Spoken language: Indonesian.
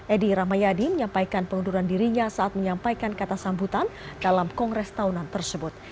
edi ramayadi menyampaikan pengunduran dirinya saat menyampaikan kata sambutan dalam kongres tahunan tersebut